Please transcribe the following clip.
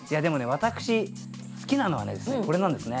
私好きなのはこれなんですね。